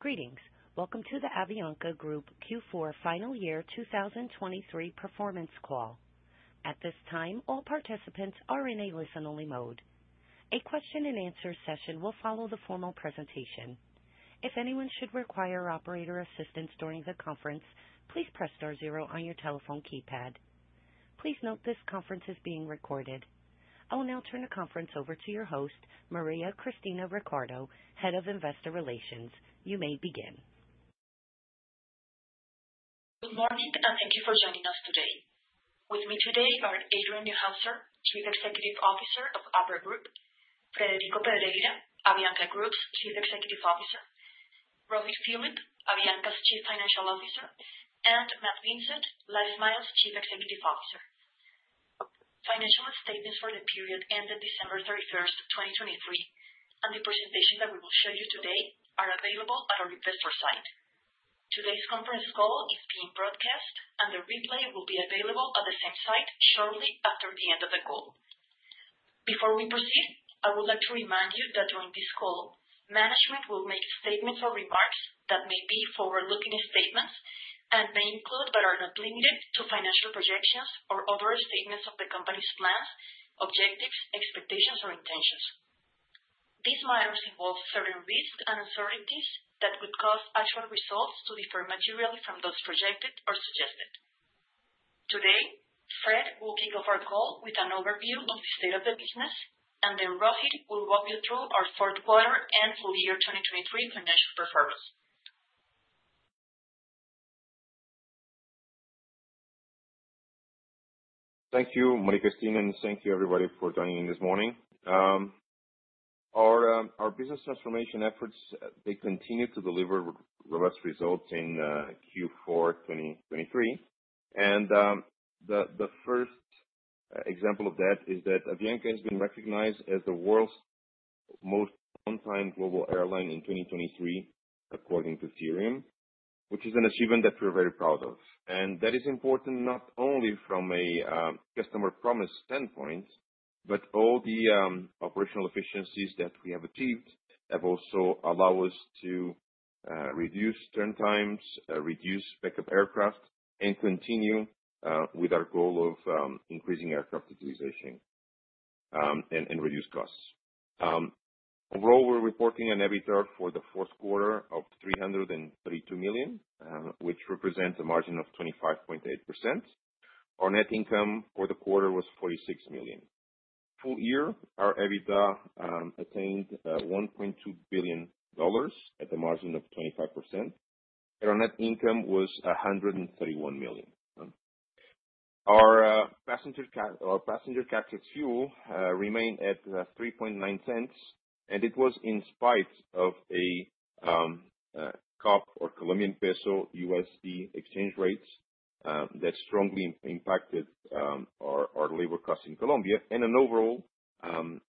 Greetings. Welcome to the Avianca Group Q4 full year 2023 performance call. At this time, all participants are in a listen-only mode. A question and answer session will follow the formal presentation. If anyone should require operator assistance during the conference, please press star zero on your telephone keypad. Please note, this conference is being recorded. I will now turn the conference over to your host, Maria Cristina Ricardo, Head of Investor Relations. You may begin. Good morning, and thank you for joining us today. With me today are Adrian Neuhauser, Chief Executive Officer of Abra Group; Federico Pedreira, Avianca Group's Chief Executive Officer; Rohit Philip, Avianca's Chief Financial Officer; and Matt Vincett, LifeMiles' Chief Executive Officer. Financial statements for the period ended December 31st, 2023, and the presentation that we will show you today are available at our investor site. Today's conference call is being broadcast, and the replay will be available at the same site shortly after the end of the call. Before we proceed, I would like to remind you that during this call, management will make statements or remarks that may be forward-looking statements and may include, but are not limited to, financial projections or other statements of the company's plans, objectives, expectations, or intentions. These matters involve certain risks and uncertainties that could cause actual results to differ materially from those projected or suggested. Today, Fred will kick off our call with an overview on the state of the business, and then Rohit will walk you through our fourth quarter and full year 2023 financial performance. Thank you, Maria Cristina, and thank you, everybody, for joining in this morning. Our business transformation efforts, they continue to deliver robust results in Q4 2023. The first example of that is that Avianca has been recognized as the world's most on-time global airline in 2023, according to Cirium, which is an achievement that we're very proud of, and that is important not only from a customer promise standpoint, but all the operational efficiencies that we have achieved have also allow us to reduce turn times, reduce backup aircraft, and continue with our goal of increasing aircraft utilization, and reduce costs. Overall, we're reporting an EBITDA for the fourth quarter of $332 million, which represents a margin of 25.8%. Our net income for the quarter was $46 million. Full year, our EBITDA attained $1.2 billion at a margin of 25%, and our net income was $131 million. Our passenger CASK ex-fuel remained at $3.9, and it was in spite of a COP- or Colombian peso-USD exchange rates that strongly impacted our labor costs in Colombia and an overall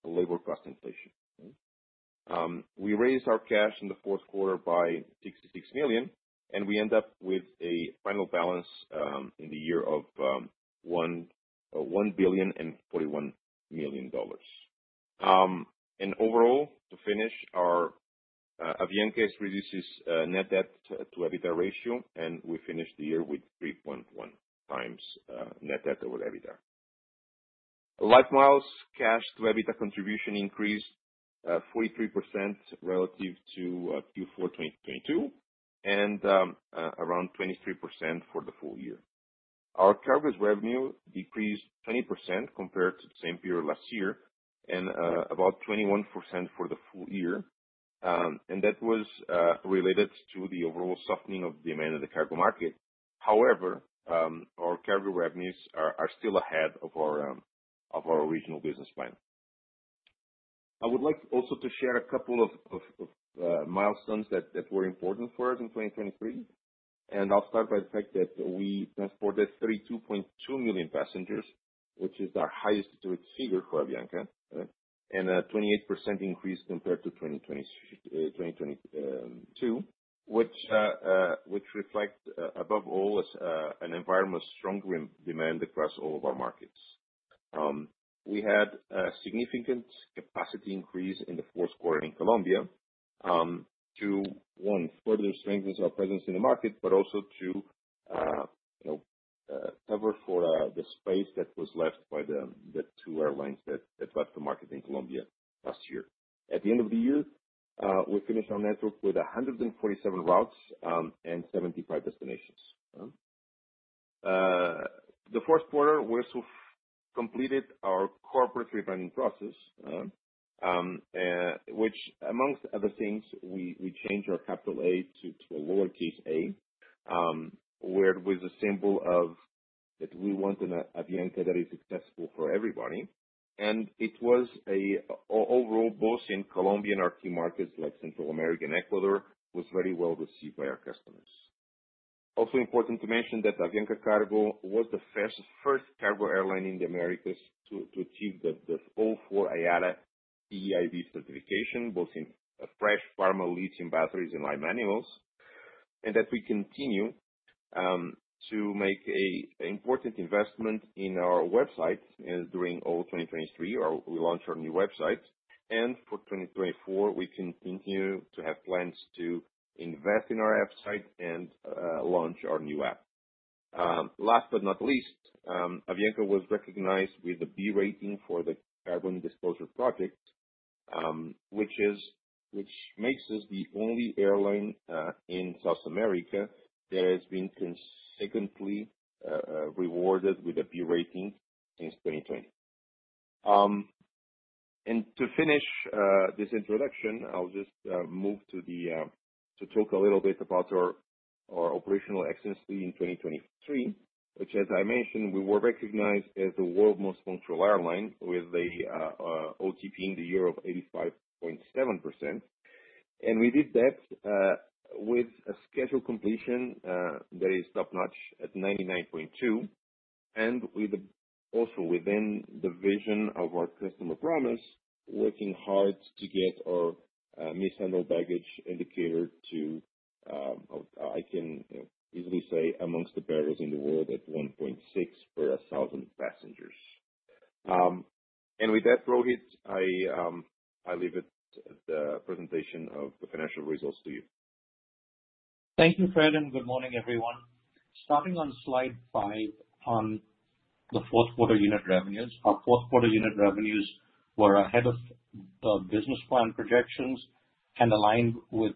labor cost inflation. We raised our cash in the fourth quarter by $66 million, and we end up with a final balance in the year of $1.041 billion. Overall, to finish, our Avianca reduces net debt to EBITDA ratio, and we finished the year with 3.1x net debt over EBITDA. LifeMiles' cash to EBITDA contribution increased 43% relative to Q4 2022, and around 23% for the full year. Our cargo's revenue decreased 20% compared to the same period last year and about 21% for the full year. That was related to the overall softening of demand in the cargo market. However, our cargo revenues are still ahead of our original business plan. I would like also to share a couple of milestones that were important for us in 2023, and I'll start by the fact that we transported 32.2 million passengers, which is our highest figure for Avianca, and a 28% increase compared to 2022, which reflects, above all, an environment of stronger demand across all of our markets. We had a significant capacity increase in the fourth quarter in Colombia, to further strengthen our presence in the market, but also to, you know, cover for the space that was left by the two airlines that left the market in Colombia last year. At the end of the year, we finished our network with 147 routes and 75 destinations. In the fourth quarter, we also completed our corporate rebranding process, which amongst other things, we changed our capital A to a lowercase a, where it was overall both in Colombia and our key markets, like Central America and Ecuador, was very well received by our customers. Also important to mention that Avianca Cargo was the first cargo airline in the Americas to achieve the full four IATA CEIV certification, both in fresh, pharma, lithium batteries, and live animals. and that we continue to make an important investment in our website during all 2023, or we launch our new website. And for 2024, we continue to have plans to invest in our website and launch our new app. Last but not least, Avianca was recognized with a B rating for the Carbon Disclosure Project, which makes us the only airline in South America that has been consistently rewarded with a B rating since 2020. And to finish this introduction, I'll just move to talk a little bit about our operational excellence in 2023, which, as I mentioned, we were recognized as the world's most punctual airline with an OTP in the year of 85.7%. We did that with a schedule completion that is top-notch at 99.2, and with the also within the vision of our customer promise, working hard to get our mishandled baggage indicator to, I can easily say, among the best in the world at 1.6 per 1,000 passengers. And with that, Rohit, I leave it, the presentation of the financial results to you. Thank you, Fred, and good morning, everyone. Starting on slide five, on the fourth quarter unit revenues. Our fourth quarter unit revenues were ahead of the business plan projections and aligned with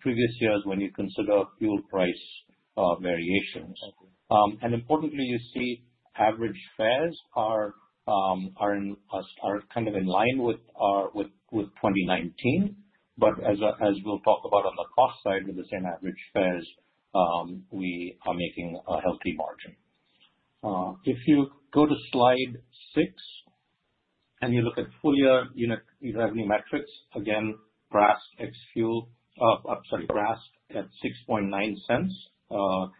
previous years when you consider fuel price variations. Importantly, you see average fares are kind of in line with 2019, but as we'll talk about on the cost side, with the same average fares, we are making a healthy margin. If you go to slide six, and you look at full year unit revenue metrics, again, RASK ex-fuel, I'm sorry, RASK at $6.9,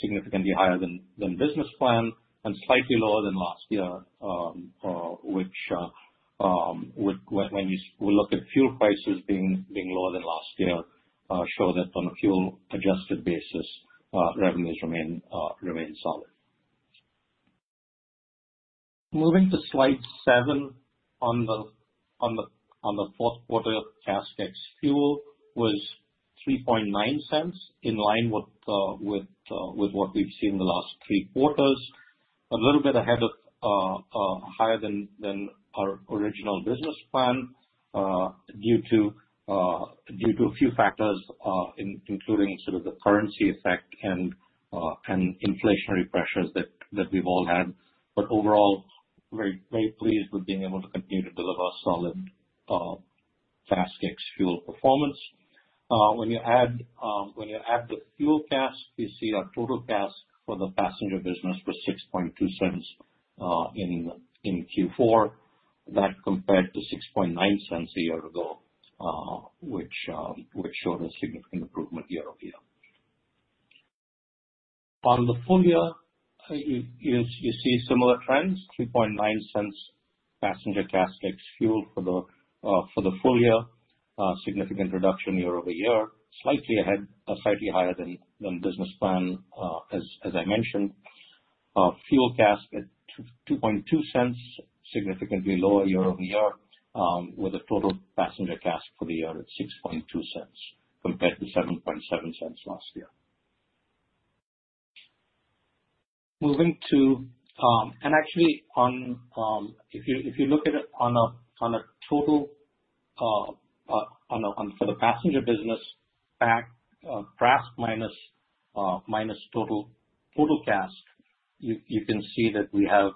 significantly higher than business plan and slightly lower than last year, which, when we look at fuel prices being lower than last year, show that on a fuel-adjusted basis, revenues remain solid. Moving to slide seven, on the fourth quarter, CASK ex-fuel was $3.9, in line with what we've seen in the last three quarters. A little bit ahead of higher than our original business plan due to a few factors including sort of the currency effect and inflationary pressures that we've all had. But overall, very, very pleased with being able to continue to deliver solid CASK ex-fuel performance. When you add the fuel CASK, you see our total CASK for the passenger business was $6.2 in Q4. That compared to $6.9 a year ago, which showed a significant improvement year-over-year. On the full year, you see similar trends, $3.9 passenger CASK ex-fuel for the full year. Significant reduction year-over-year, slightly ahead or slightly higher than the business plan, as I mentioned. Fuel CASK at $2.2, significantly lower year-over-year, with a total passenger CASK for the year at $6.2, compared to $7.7 last year. Moving to... Actually, if you look at it on a total for the passenger business, RASK minus total CASK, you can see that we have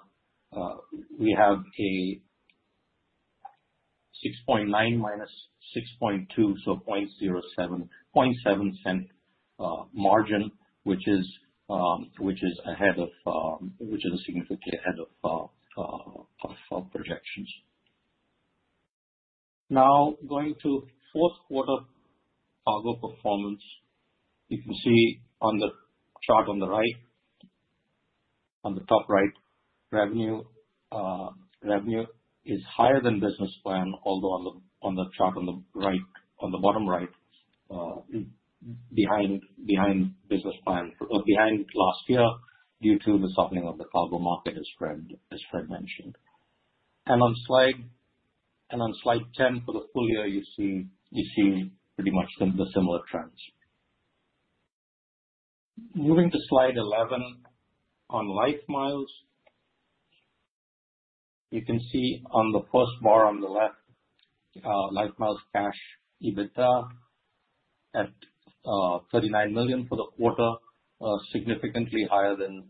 a $6.9-$6.2, so $0.7 margin, which is significantly ahead of our projections. Now, going to fourth quarter cargo performance. You can see on the chart on the right, on the top right, revenue, revenue is higher than business plan, although on the chart on the right, on the bottom right, behind business plan, behind last year, due to the softening of the cargo market, as Fred mentioned. On slide 10, for the full year, you see pretty much similar trends. Moving to slide 11, on LifeMiles, you can see on the first bar on the left, LifeMiles cash EBITDA at $39 million for the quarter, significantly higher than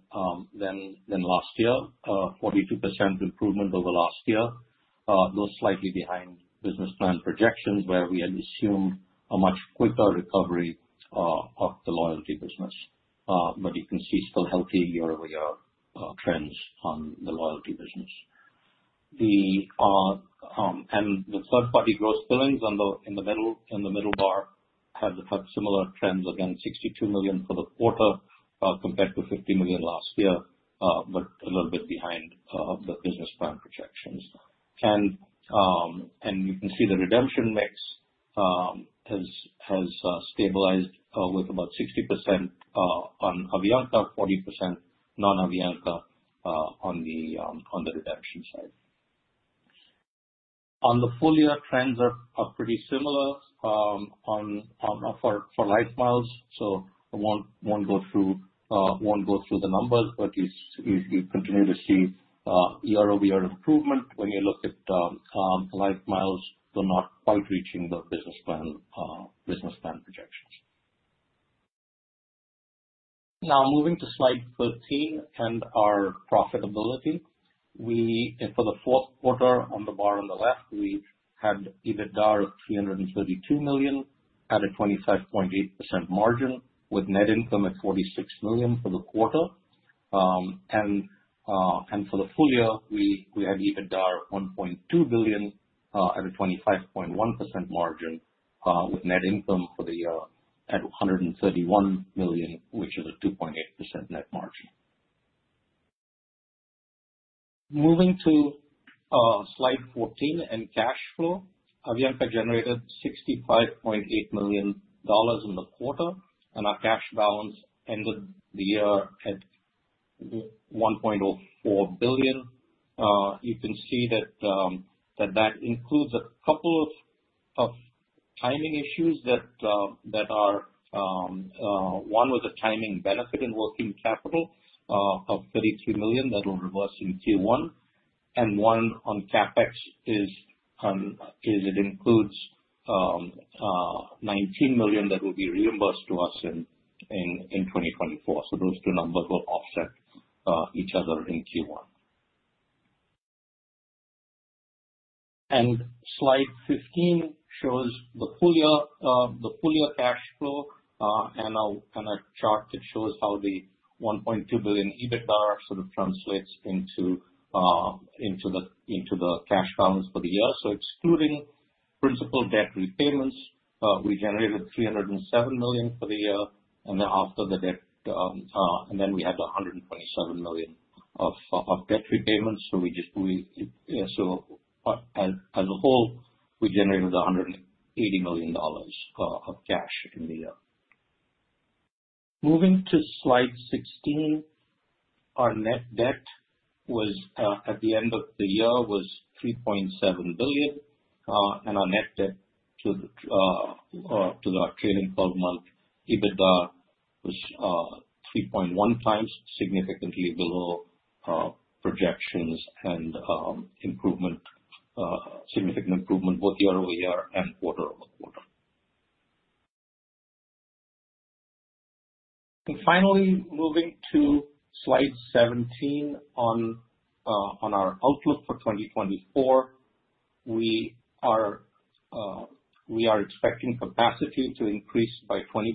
last year. 42% improvement over last year. Those slightly behind business plan projections, where we had assumed a much quicker recovery of the loyalty business. But you can see still healthy year-over-year trends on the loyalty business. The and the third-party gross billings in the middle bar have similar trends. Again, $62 million for the quarter, compared to $50 million last year, but a little bit behind the business plan projections. And you can see the redemption mix has stabilized with about 60% on Avianca, 40% non-Avianca on the redemption side. On the full year, trends are pretty similar for LifeMiles. So I won't go through the numbers, but you continue to see year-over-year improvement when you look at LifeMiles, though not quite reaching the business plan projections. Now moving to slide 13 and our profitability. We, and for the fourth quarter on the bar on the left, we had EBITDA of $332 million at a 25.8% margin, with net income at $46 million for the quarter. And for the full year, we had EBITDA of $1.2 billion at a 25.1% margin, with net income for the year at $131 million, which is a 2.8% net margin. Moving to slide 14 and cash flow. Avianca generated $65.8 million in the quarter, and our cash balance ended the year at $1.04 billion. You can see that, that that includes a couple of, of timing issues that, that are, one was a timing benefit in working capital, of $33 million that will reverse in Q1. And one on CapEx is, is it includes, $19 million that will be reimbursed to us in, in, in 2024. So those two numbers will offset, each other in Q1. And slide 15 shows the full year, the full year cash flow. And I'll- and a chart that shows how the $1.2 billion EBITDA sort of translates into, into the, into the cash balance for the year. So excluding principal debt repayments, we generated $307 million for the year, and then after the debt, and then we had $127 million of debt repayments. So as a whole, we generated $180 million of cash in the year. Moving to slide 16, our net debt was at the end of the year $3.7 billion, and our net debt to the trailing twelve-month EBITDA was 3.1 times, significantly below projections and significant improvement both year-over-year and quarter-over-quarter. And finally, moving to slide 17 on our outlook for 2024. We are expecting capacity to increase by 20%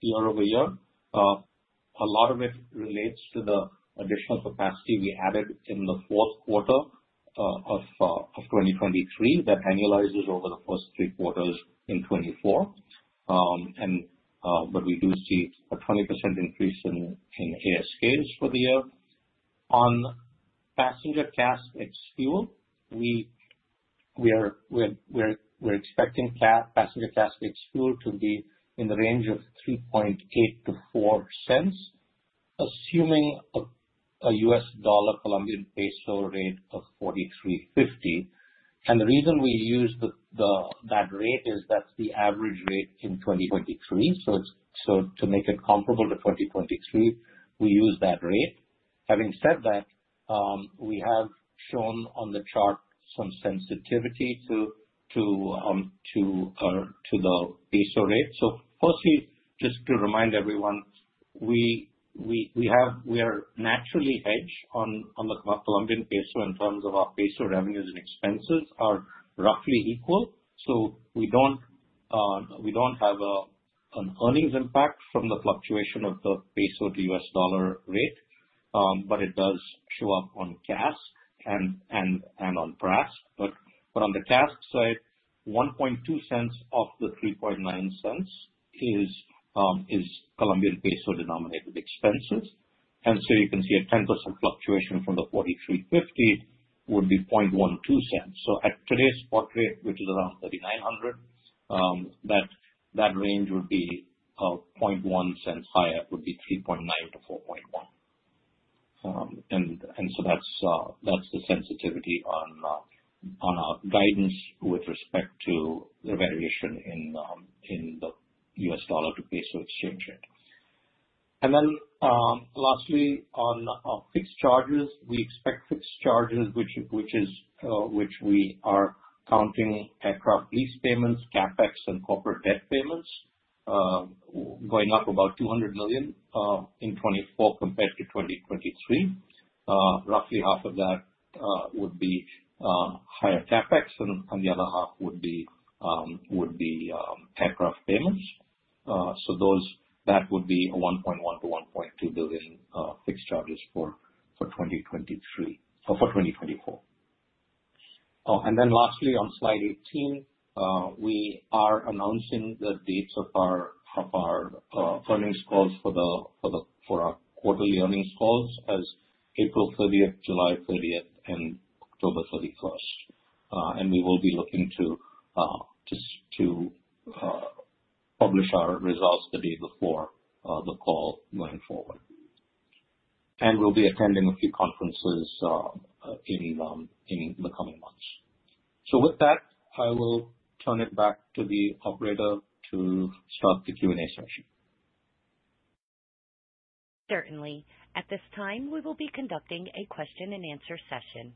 year-over-year. A lot of it relates to the additional capacity we added in the fourth quarter of 2023. That annualizes over the first three quarters in 2024. But we do see a 20% increase in ASK for the year. On passenger CASK ex-fuel, we are expecting passenger CASK ex-fuel to be in the range of $3.8-$0.4, assuming a U.S. dollar/Colombian peso rate of COP 4,350. And the reason we use that rate is that's the average rate in 2023, so it's so to make it comparable to 2023, we use that rate. Having said that, we have shown on the chart some sensitivity to the peso rate. So firstly, just to remind everyone, we have—we are naturally hedged on the Colombian peso in terms of our peso revenues and expenses are roughly equal, so we don't have a, an earnings impact from the fluctuation of the peso to U.S. dollar rate, but it does show up on CASK and on PRASK. But on the CASK side, COP 1.2 of the COP 3.9 is Colombian peso-denominated expenses. And so you can see a 10% fluctuation from the COP 4,350 would be COP 0.12. So at today's spot rate, which is around COP 3,900, that range would be $0.1 cents higher, would be $3.9-$4.1. And so that's the sensitivity on our guidance with respect to the variation in the U.S. dollar to peso exchange rate. And then lastly, on fixed charges, we expect fixed charges, which we are counting aircraft lease payments, CapEx, and corporate debt payments, going up about $200 million in 2024 compared to 2023. Roughly half of that would be higher CapEx, and the other half would be aircraft payments. So that would be $1.1 billion-$1.2 billion fixed charges for 2023 for 2024. Oh, and then lastly, on slide 18, we are announcing the dates of our earnings calls for our quarterly earnings calls as April 30th, July 30th, and October 31st. And we will be looking to publish our results the day before the call going forward. We'll be attending a few conferences in the coming months. So with that, I will turn it back to the operator to start the Q&A session. Certainly. At this time, we will be conducting a question and answer session.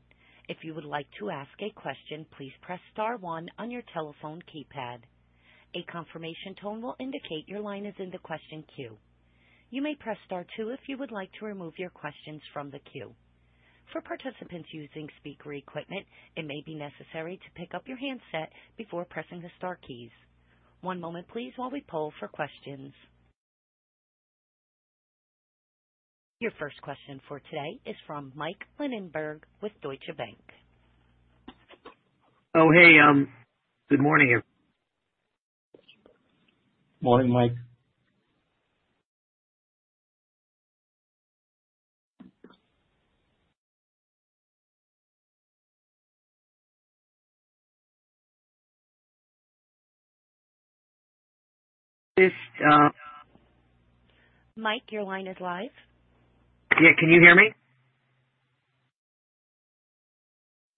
If you would like to ask a question, please press star one on your telephone keypad. A confirmation tone will indicate your line is in the question queue. You may press star two if you would like to remove your questions from the queue. For participants using speaker equipment, it may be necessary to pick up your handset before pressing the star keys. One moment, please, while we poll for questions. Your first question for today is from Mike Linenberg with Deutsche Bank. Oh, hey, good morning, everyone. Morning, Mike. Mike, your line is live. Yeah, can you hear me?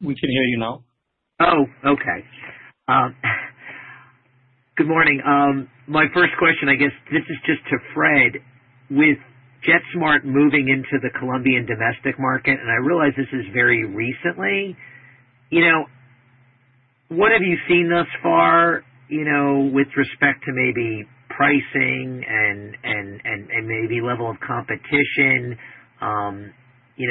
We can hear you now. Oh, okay. Good morning. My first question, I guess this is just to Fred. With JetSMART moving into the Colombian domestic market, and I realize this is very recently, you know, what have you seen thus far, you know, with respect to maybe pricing and maybe level of competition? You know,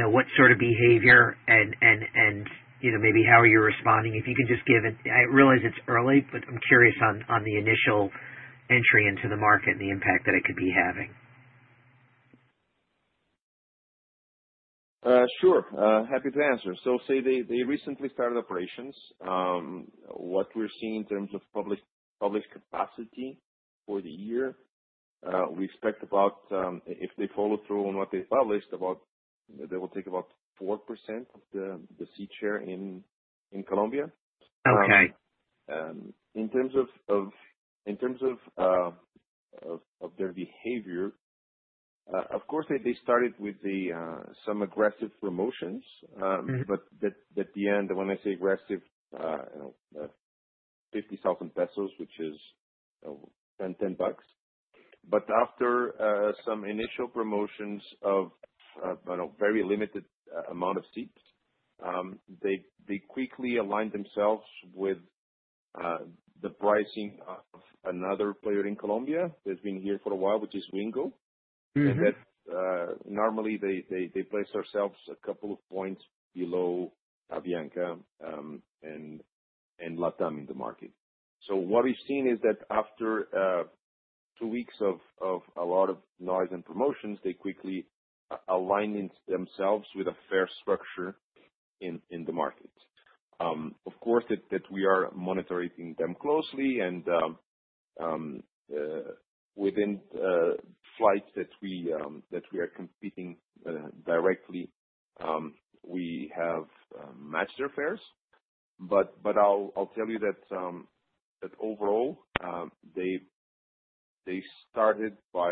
what sort of behavior and you know, maybe how are you responding? If you can just give it. I realize it's early, but I'm curious on the initial entry into the market and the impact that it could be having. Sure, happy to answer. So say they recently started operations. What we're seeing in terms of published capacity for the year, we expect about, if they follow through on what they published, about they will take about 4% of the seat share in Colombia. Okay. In terms of their behavior, of course, they started with some aggressive promotions. Mm-hmm. But at the end, when I say aggressive, you know, COP 50,000, which is $10. But after some initial promotions of, you know, very limited amount of seats, they quickly aligned themselves with the pricing of another player in Colombia that's been here for a while, which is Wingo. Mm-hmm. That normally they place themselves a couple of points below Avianca and LATAM in the market. So what we've seen is that after two weeks of a lot of noise and promotions, they quickly aligned themselves with a fair structure in the market. Of course, we are monitoring them closely and within flights that we are competing directly, we have matched their fares. But I'll tell you that overall, they started by,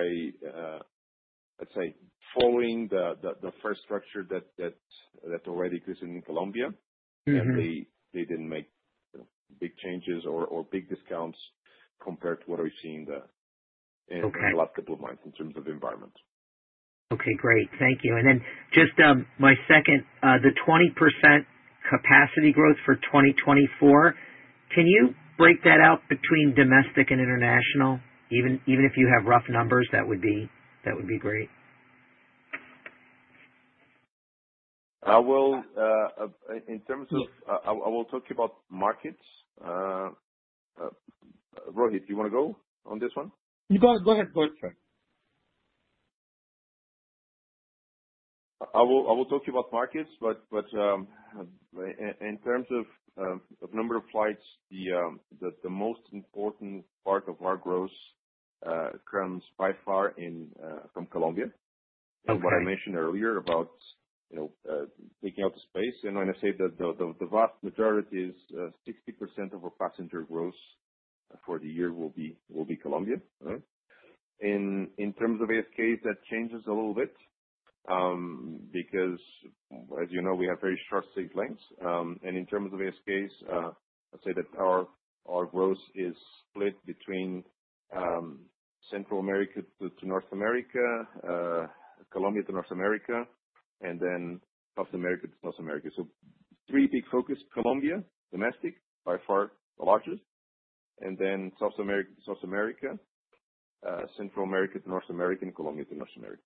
let's say, following the first structure that already exists in Colombia. Mm-hmm. They didn't make big changes or big discounts compared to what we've seen the. Okay. In the last couple of months in terms of environment. Okay, great. Thank you. And then just, my second, the 20% capacity growth for 2024, can you break that out between domestic and international? Even, even if you have rough numbers, that would be, that would be great. I will, in terms of. Yeah. I will talk to you about markets. Rohit, do you wanna go on this one? You go ahead, Fred. I will talk to you about markets, but in terms of number of flights, the most important part of our growth comes by far from Colombia. Okay. And what I mentioned earlier about, you know, taking up the space, and when I say that the vast majority is sixty percent of our passenger growth for the year will be Colombia. Right? In terms of ASK, that changes a little bit, because, as you know, we have very short seat lengths. And in terms of ASK, I'd say that our growth is split between Central America to North America, Colombia to North America, and then South America to South America. So three big focus: Colombia, domestic, by far the largest, and then South America to South America, Central America to North America, and Colombia to North America.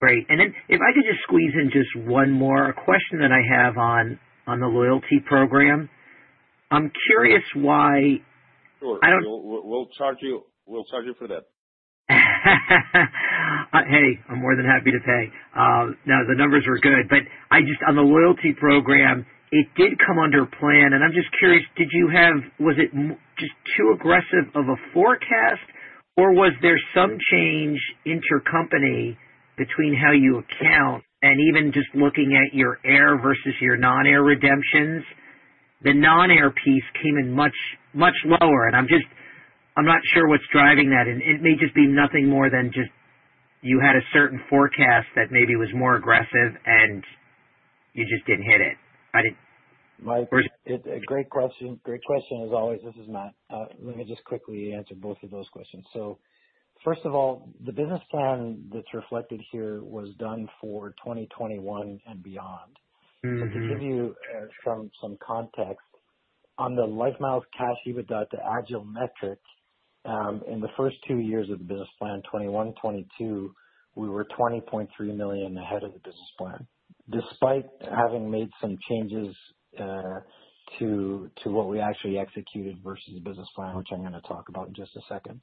Great. And then if I could just squeeze in just one more question that I have on, on the loyalty program. I'm curious why. Sure. We'll charge you for that. Hey, I'm more than happy to pay. Now, the numbers are good, but I just, on the loyalty program, it did come under plan, and I'm just curious, was it just too aggressive of a forecast, or was there some change intercompany between how you account and even just looking at your air versus your non-air redemptions? The non-air piece came in much, much lower, and I'm just, I'm not sure what's driving that. And it may just be nothing more than just you had a certain forecast that maybe was more aggressive and you just didn't hit it. I didn't. Mike, it's a great question. Great question, as always. This is Matt. Let me just quickly answer both of those questions. So first of all, the business plan that's reflected here was done for 2021 and beyond. Mm-hmm. To give you some context on the LifeMiles cash EBITDA, the agile metric, in the first two years of the business plan, 2021, 2022, we were $20.3 million ahead of the business plan, despite having made some changes to what we actually executed versus the business plan, which I'm gonna talk about in just a second.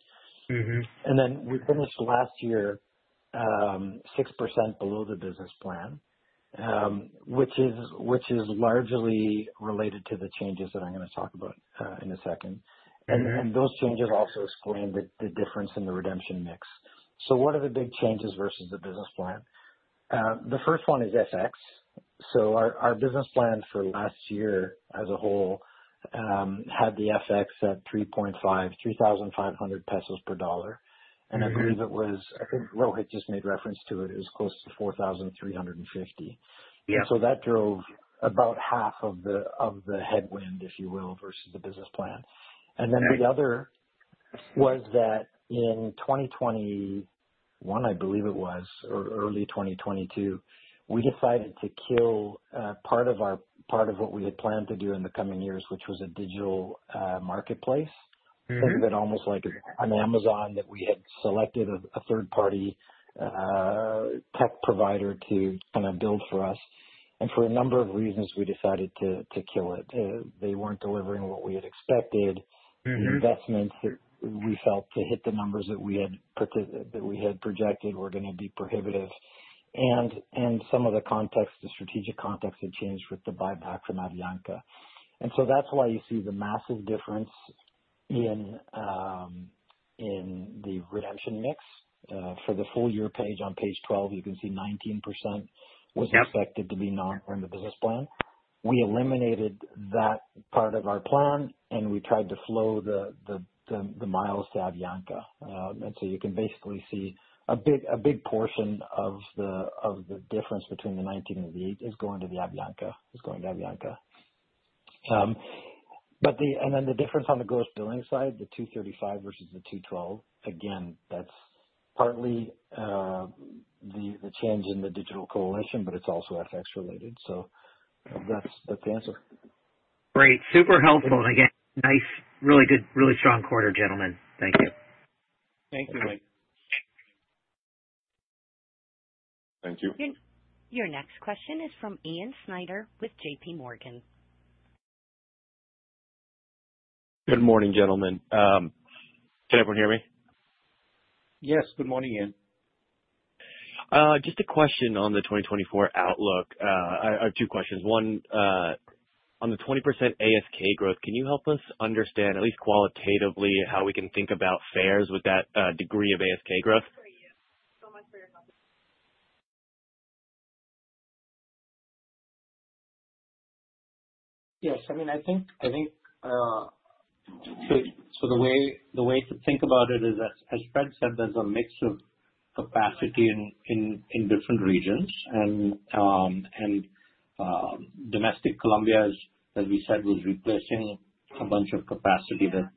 Mm-hmm. Then we finished last year 6% below the business plan, which is, which is largely related to the changes that I'm gonna talk about in a second. Mm-hmm. Those changes also explain the difference in the redemption mix. So what are the big changes versus the business plan? The first one is FX. So our business plan for last year as a whole had the FX at COP 3,500 per dollar. Mm-hmm. I believe it was. I think Rohit just made reference to it. It was close to COP 4,350. Yeah. So that drove about half of the headwind, if you will, versus the business plan. Right. And then the other was that in 2021, I believe it was, or early 2022, we decided to kill part of what we had planned to do in the coming years, which was a digital marketplace. Mm-hmm. Think of it almost like an Amazon, that we had selected a third party tech provider to kind of build for us. For a number of reasons, we decided to kill it. They weren't delivering what we had expected. Mm-hmm. The investments that we felt to hit the numbers that we had projected were gonna be prohibitive. Some of the context, the strategic context, had changed with the buyback from Avianca. And so that's why you see the massive difference in the redemption mix. For the full year page, on page 12, you can see 19%. Yep. Was expected to be non from the business plan. We eliminated that part of our plan, and we tried to flow the miles to Avianca. And so you can basically see a big portion of the difference between the $19 and the $8 is going to Avianca. But the difference on the gross billing side, the $235 versus the $212, again, that's partly the change in the digital coalition, but it's also FX related. So that's the answer. Great. Super helpful. And again, nice, really good, really strong quarter, gentlemen. Thank you. Thank you, Mike. Thank you. Your next question is from Ian Snyder with JPMorgan. Good morning, gentlemen. Can everyone hear me? Yes. Good morning, Ian. Just a question on the 2024 outlook. Or two questions. One, on the 20% ASK growth, can you help us understand, at least qualitatively, how we can think about fares with that degree of ASK growth? Yes. I mean, I think, so the way to think about it is as Fred said, there's a mix of capacity in different regions. And, domestic Colombia's, as we said, was replacing a bunch of capacity that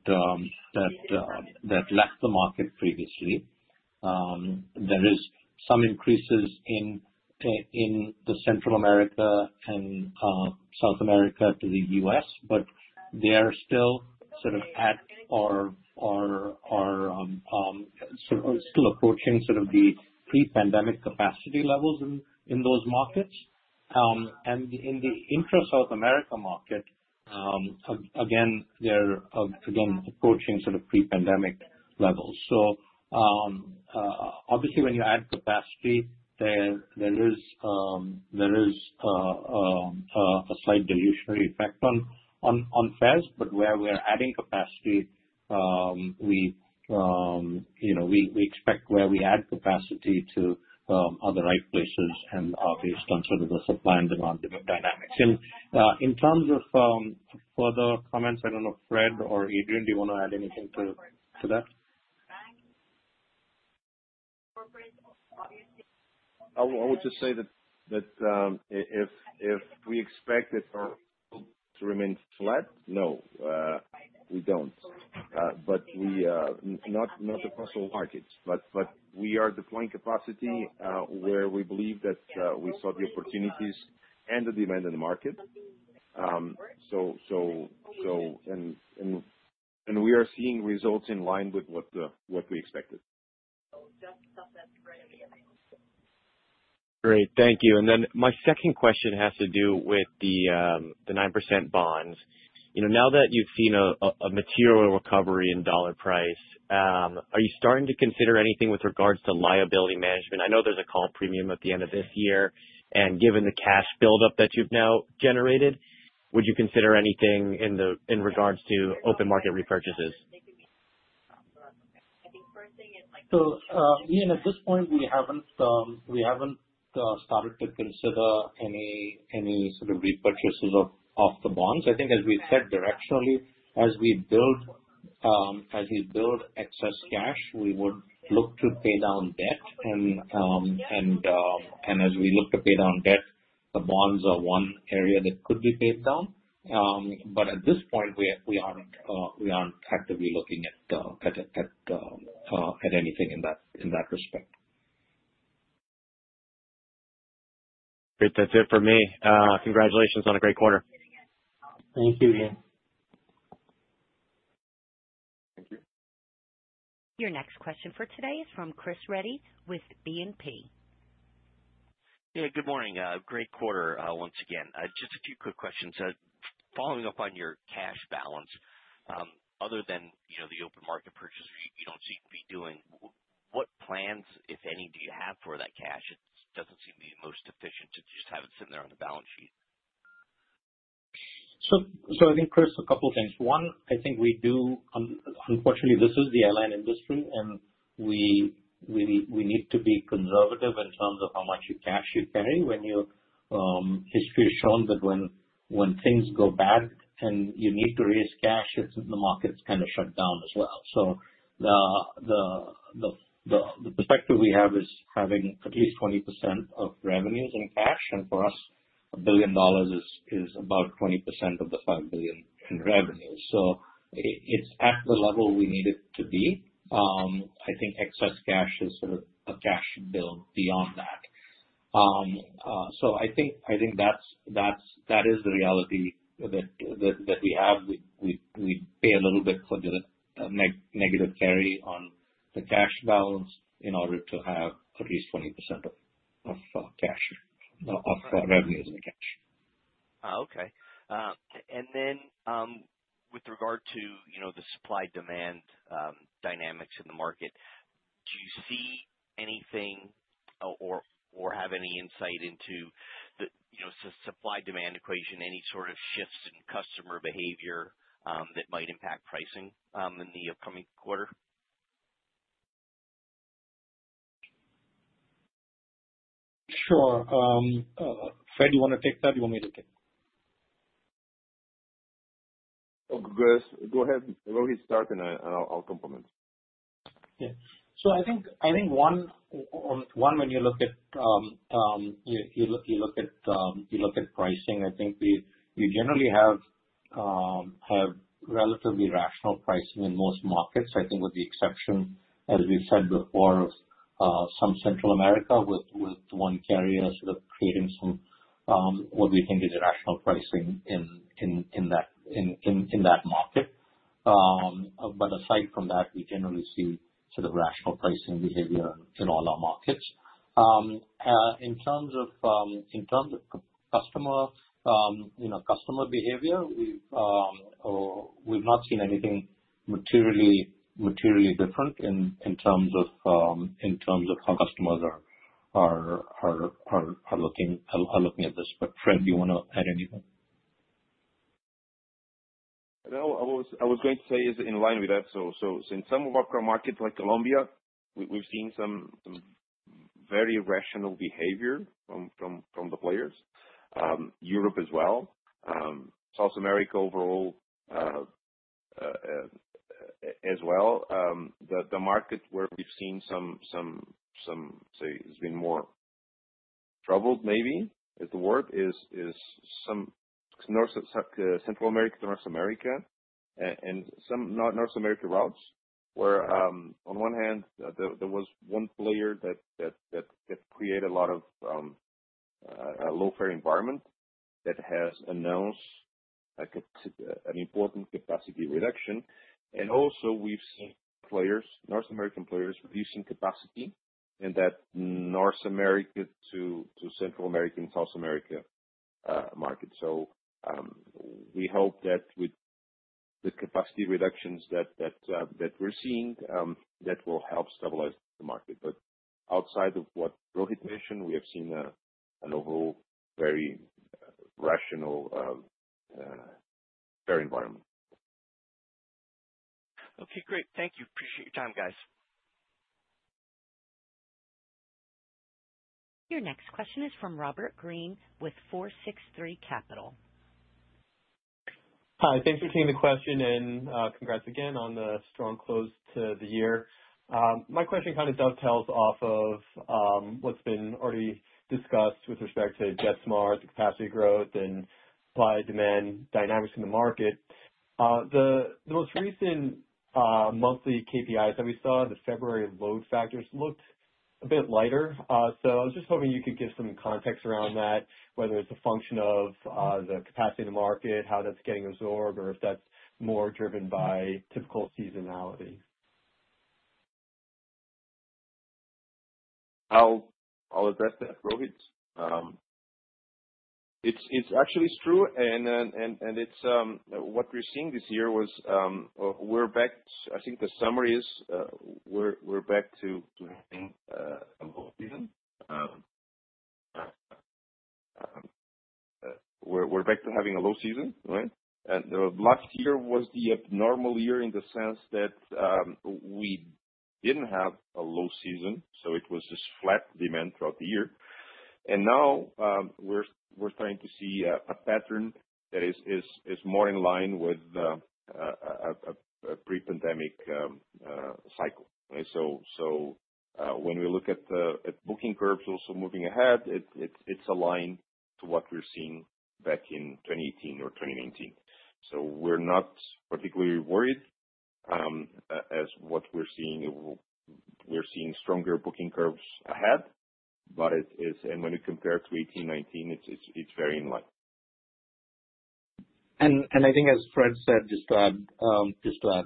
left the market previously. There is some increases in the Central America and South America to the US, but they are still sort of at or still approaching sort of the pre-pandemic capacity levels in those markets. And in the intra-South America market, again, they're again approaching sort of pre-pandemic levels. So, obviously, when you add capacity, there is a slight dilutionary effect on fares. But where we are adding capacity, you know, we expect where we add capacity to on the right places and obviously on sort of the supply and demand dynamics. And in terms of further comments, I don't know, Fred or Adrian, do you want to add anything to that? I would just say that if we expect it to remain flat, no, we don't. But not across all markets, but we are deploying capacity where we believe that we saw the opportunities and the demand in the market. So and we are seeing results in line with what we expected. Great. Thank you. And then my second question has to do with the 9% bonds. You know, now that you've seen a material recovery in dollar price, are you starting to consider anything with regards to liability management? I know there's a call premium at the end of this year, and given the cash buildup that you've now generated, would you consider anything in regards to open market repurchases? So, Ian, at this point, we haven't started to consider any sort of repurchases of the bonds. I think as we said directionally, as we build excess cash, we would look to pay down debt. And as we look to pay down debt, the bonds are one area that could be paid down. But at this point, we aren't actively looking at anything in that respect. Great. That's it for me. Congratulations on a great quarter. Thank you, Ian. Thank you. Your next question for today is from Chris Reddy with BNP. Yeah, good morning. Great quarter, once again. Just a few quick questions. Following up on your cash balance, other than, you know, the open market purchases you, you don't seem to be doing, what plans, if any, do you have for that cash? It doesn't seem to be most efficient to just have it sitting there on the balance sheet. So I think, Chris, a couple of things. One, I think we do. Unfortunately, this is the airline industry, and we need to be conservative in terms of how much cash you carry when you. History has shown that when things go bad and you need to raise cash, it's the market's kind of shut down as well. So the perspective we have is having at least 20% of revenues in cash, and for us, $1 billion is about 20% of the $5 billion in revenues. So it's at the level we need it to be. I think excess cash is sort of a cash build beyond that. So I think that's that is the reality that we have. We pay a little bit for the negative carry on the cash balance in order to have at least 20% of revenues in cash. Oh, okay. And then, with regard to, you know, the supply-demand dynamics in the market, do you see anything, or have any insight into the, you know, supply-demand equation, any sort of shifts in customer behavior, that might impact pricing, in the upcoming quarter? Sure. Fred, you want to take that? You want me to take it? Go ahead. Go ahead, start, and I'll complement. Yeah. So I think when you look at pricing, I think we generally have relatively rational pricing in most markets. I think with the exception, as we've said before, of some Central America, with one carrier sort of creating some what we think is irrational pricing in that market. But aside from that, we generally see sort of rational pricing behavior in all our markets. In terms of customer, you know, customer behavior, we've not seen anything materially different in terms of how customers are looking at this. But Fred, do you want to add anything? No, I was going to say is in line with that. So in some of our core markets, like Colombia, we've seen some very rational behavior from the players. Europe as well. South America overall as well. The market where we've seen some say has been more troubled, maybe is the word, is some North Central America, North America, and some North America routes, where on one hand, there was one player that created a lot of a low-fare environment, that has announced an important capacity reduction. And also we've seen players, North American players, reducing capacity in that North America to Central America and South America market. So, we hope that with the capacity reductions that we're seeing, that will help stabilize the market. But outside of what Rohit mentioned, we have seen an overall very rational fare environment. Okay, great. Thank you. Appreciate your time, guys. Your next question is from Robert Green with FourSixThree Capital. Hi, thanks for taking the question, and, congrats again on the strong close to the year. My question kind of dovetails off of, what's been already discussed with respect to net ASKs, capacity growth, and supply-demand dynamics in the market. The most recent monthly KPIs that we saw, the February load factors, looked a bit lighter. So I was just hoping you could give some context around that, whether it's a function of, the capacity in the market, how that's getting absorbed, or if that's more driven by typical seasonality. I'll address that, Rohit. It's actually true, and it's what we're seeing this year was, we're back. I think the summary is, we're back to having a low season. We're back to having a low season, right? And the last year was the abnormal year in the sense that, we didn't have a low season, so it was just flat demand throughout the year. And now, we're starting to see a pattern that is more in line with a pre-pandemic cycle. Right. So, when we look at the booking curves also moving ahead, it's aligned to what we're seeing back in 2018 or 2019. So we're not particularly worried as what we're seeing. We're seeing stronger booking curves ahead, but it's, and when you compare to 2018, 2019, it's very in line. I think as Fred said, just to add,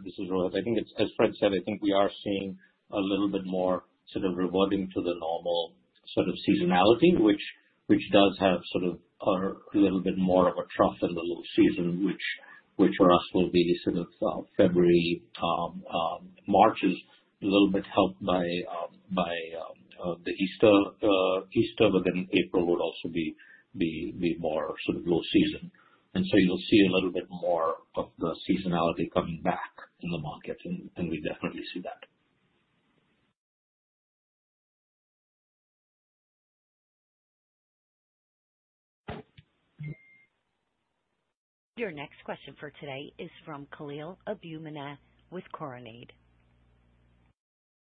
this is Rohit. I think it's as Fred said, I think we are seeing a little bit more sort of reverting to the normal sort of seasonality, which does have sort of a little bit more of a trough in the low season, which for us will be sort of February. March is a little bit helped by the Easter, Easter, but then April would also be more sort of low season. And so you'll see a little bit more of the seasonality coming back in the market, and we definitely see that. Your next question for today is from Khalil Abumina with Coronado.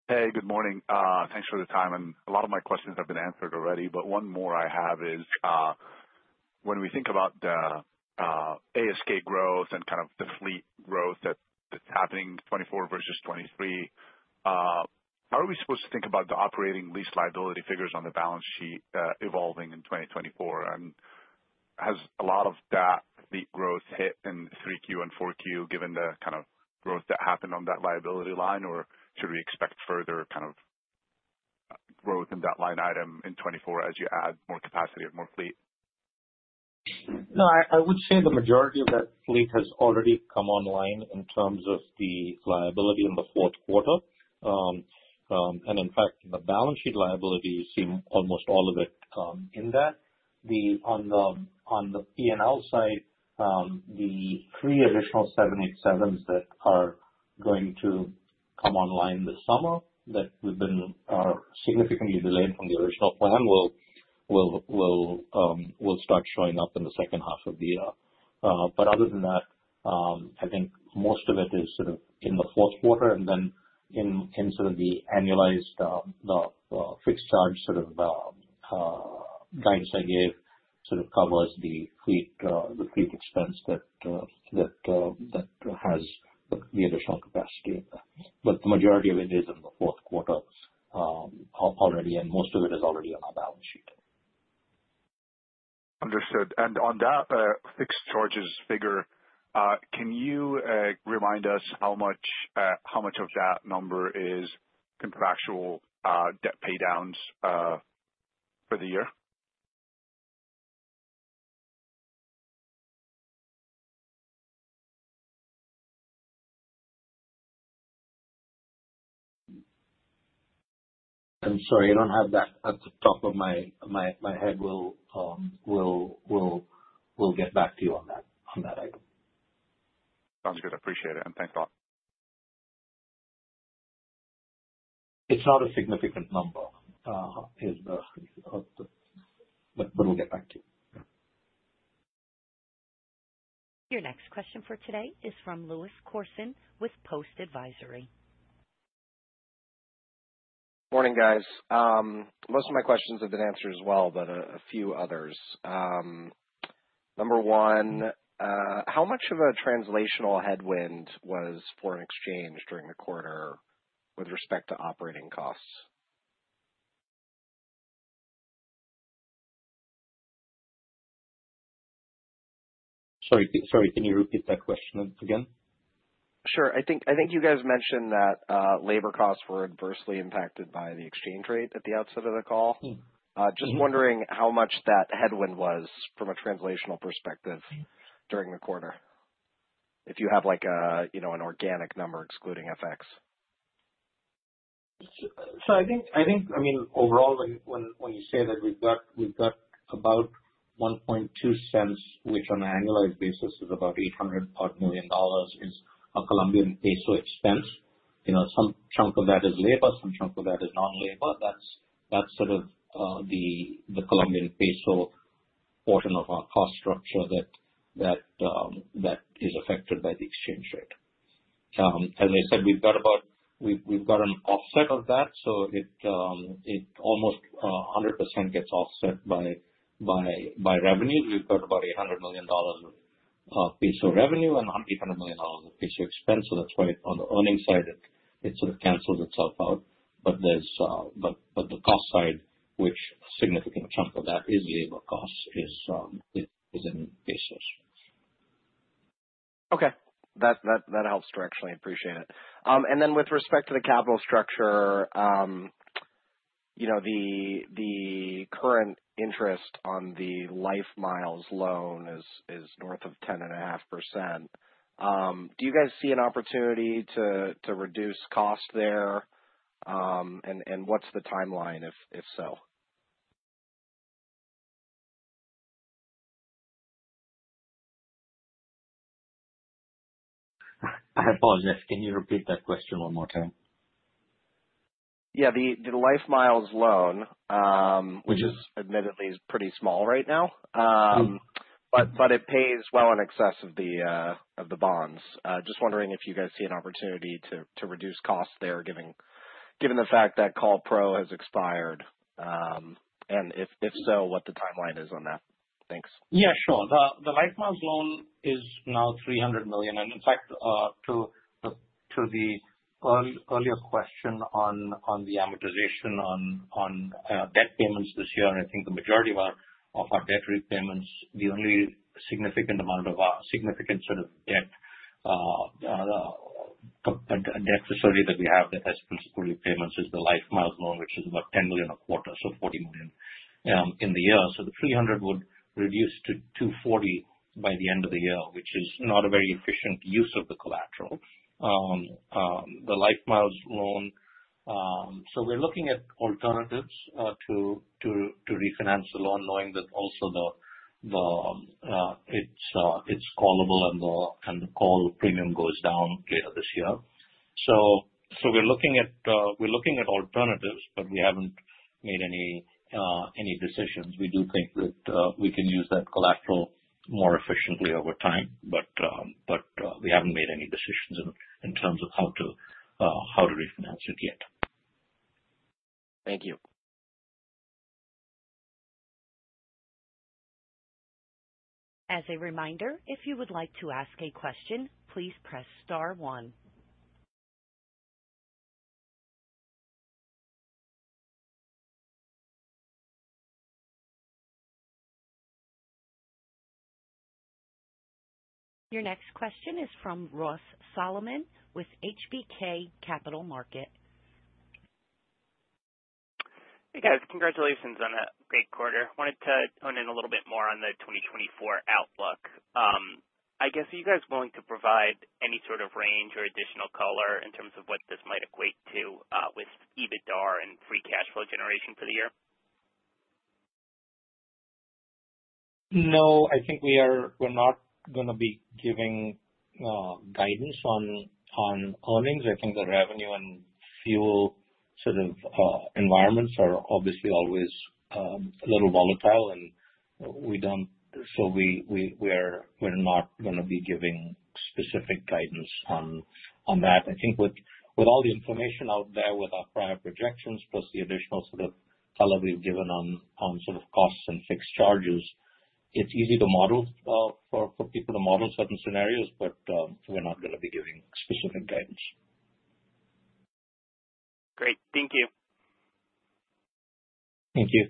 Hey, good morning. Thanks for the time, and a lot of my questions have been answered already, but one more I have is, when we think about the ASK growth and kind of the fleet growth that's happening 2024 versus 2023, how are we supposed to think about the operating lease liability figures on the balance sheet evolving in 2024? And has a lot of that fleet growth hit in 3Q and 4Q, given the kind of growth that happened on that liability line? Or should we expect further kind of growth in that line item in 2024 as you add more capacity or more fleet? No, I would say the majority of that fleet has already come online in terms of the liability in the fourth quarter. And in fact, the balance sheet liability, you see almost all of it in that. On the P and L side, the three additional seven eight sevens that are going to come online this summer, that are significantly delayed from the original plan, will start showing up in the second half of the year. But other than that, I think most of it is sort of in the fourth quarter, and then in sort of the annualized fixed charge sort of guidance I gave, sort of covers the fleet expense that has the additional capacity. But the majority of it is in the fourth quarter, already, and most of it is already on our balance sheet. Understood. On that, fixed charges figure, can you remind us how much, how much of that number is contractual, debt paydowns, for the year? I'm sorry, I don't have that off the top of my head. We'll get back to you on that item. Sounds good. Appreciate it, and thanks a lot. It's not a significant number. But we'll get back to you. Your next question for today is from Lewis Corson with Post Advisory. Morning, guys. Most of my questions have been answered as well, but a few others. Number one, how much of a translational headwind was foreign exchange during the quarter with respect to operating costs? Sorry, sorry, can you repeat that question again? Sure. I think you guys mentioned that labor costs were adversely impacted by the exchange rate at the outset of the call. Mm-hmm. Just wondering how much that headwind was from a translational perspective during the quarter, if you have, like, you know, an organic number excluding FX. So I think, I mean, overall, when you say that, we've got about 1.2 cents, which on an annualized basis is about $800-odd million, is a Colombian peso expense. You know, some chunk of that is labor, some chunk of that is non-labor. That's sort of the Colombian peso portion of our cost structure that that is affected by the exchange rate. As I said, we've got about. We've got an offset of that, so it almost 100% gets offset by revenue. We've got about $800 million of peso revenue and $100 million of peso expense, so that's why on the earnings side, it sort of cancels itself out. But there's the cost side, which a significant chunk of that is labor costs, is in pesos. Okay, that helps directly. I appreciate it. And then with respect to the capital structure, you know, the current interest on the LifeMiles loan is north of 10.5%. Do you guys see an opportunity to reduce costs there? And what's the timeline, if so? I apologize. Can you repeat that question one more time? Yeah. The LifeMiles loan, which is admittedly pretty small right now. But it pays well in excess of the bonds. Just wondering if you guys see an opportunity to reduce costs there, given the fact that CallPro has expired? And if so, what the timeline is on that. Thanks. Yeah, sure. The LifeMiles loan is now $300 million. And in fact, to the earlier question on the amortization on debt payments this year, I think the majority of our debt repayments, the only significant amount of our significant sort of debt facility that we have that has principal repayments is the LifeMiles loan, which is about $10 million a quarter, so $40 million in the year. So the $300 million would reduce to $240 million by the end of the year, which is not a very efficient use of the collateral. The LifeMiles loan. So we're looking at alternatives to refinance the loan, knowing that also it's callable and the call premium goes down later this year. We're looking at alternatives, but we haven't made any decisions. We do think that we can use that collateral more efficiently over time, but we haven't made any decisions in terms of how to refinance it yet. Thank you. As a reminder, if you would like to ask a question, please press star one. Your next question is from Ross Solomon with HBK Capital Management. Hey, guys. Congratulations on a great quarter. Wanted to hone in a little bit more on the 2024 outlook. I guess, are you guys going to provide any sort of range or additional color in terms of what this might equate to, with EBITDA and free cash flow generation for the year? No, I think we're not gonna be giving guidance on earnings. I think the revenue and fuel sort of environments are obviously always a little volatile. So we're not gonna be giving specific guidance on that. I think with all the information out there, with our prior projections, plus the additional sort of color we've given on sort of costs and fixed charges, it's easy to model for people to model certain scenarios, but we're not gonna be giving specific guidance. Great. Thank you. Thank you.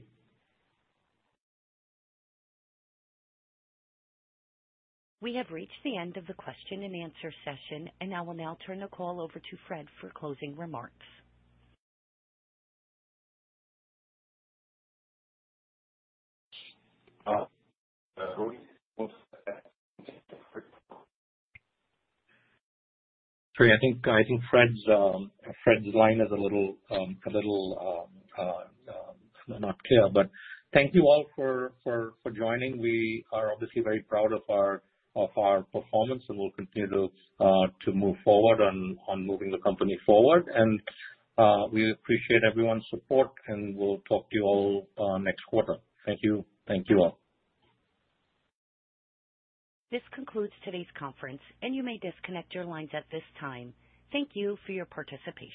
We have reached the end of the question and answer session, and I will now turn the call over to Fred for closing remarks. Sorry, I think Fred's line is a little not clear. But thank you all for joining. We are obviously very proud of our performance, and we'll continue to move forward on moving the company forward. And we appreciate everyone's support, and we'll talk to you all next quarter. Thank you. Thank you all. This concludes today's conference, and you may disconnect your lines at this time. Thank you for your participation.